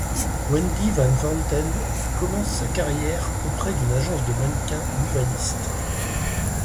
Wendy Van Wanten commence sa carrière auprès d'une agence de mannequins louvaniste.